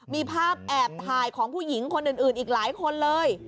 มีภาพแอบถ่ายของผู้หญิงคนอื่นอีกหลายคนเลย